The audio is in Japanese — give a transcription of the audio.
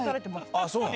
ああ、そうなの。